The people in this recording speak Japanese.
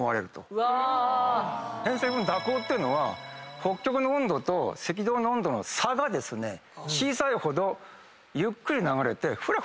偏西風の蛇行っていうのは北極の温度と赤道の温度の差が小さいほどゆっくり流れてふらふらするんですよ。